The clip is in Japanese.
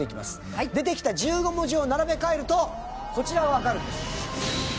出てきた１５文字を並べ替えるとこちらがわかるんです。